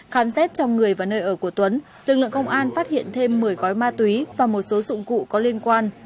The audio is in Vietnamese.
khám xét trong người và nơi ở của tuấn lực lượng công an phát hiện thêm một mươi gói ma túy và một số dụng cụ có liên quan